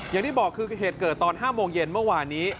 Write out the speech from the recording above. อย่างที่บอกคือเหตุเกิดตอน๕โมงเย็นเมื่อวานนี้